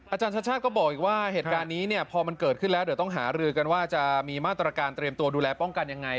อาจารย์ชาติชาติก็บอกอีกว่าเหตุการณ์นี้เนี่ยพอมันเกิดขึ้นแล้วเดี๋ยวต้องหารือกันว่าจะมีมาตรการเตรียมตัวดูแลป้องกันยังไง